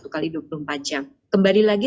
satu x dua puluh empat jam kembali lagi